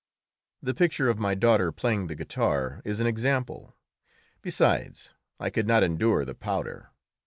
The picture of my daughter playing the guitar is an example. Besides, I could not endure powder.